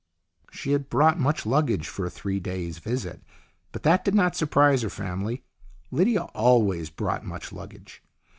She had brought much luggage for a three days' visit, but that did not surprise her family. Lydia always brought much luggage.